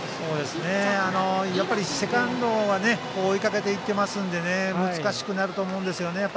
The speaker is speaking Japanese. やっぱりセカンドが追いかけていっているので難しくなると思うんですよね。